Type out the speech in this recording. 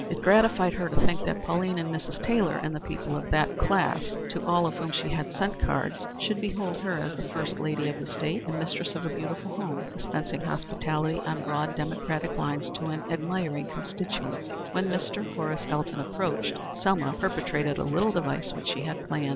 It gratified her to think that Pauline and Mrs. Taylor and the people of that class, to all of whom she had sent cards, should behold her as the first lady of the State, and mistress of a beautiful home, dispensing hospitality on broad, democratic lines to an admiring constituency. When Mr. Horace Elton approached, Selma perpetrated a little device which she had planned.